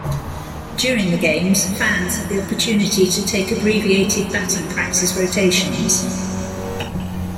During the games, fans have the opportunity to take abbreviated batting practice rotations.